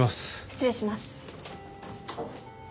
失礼します。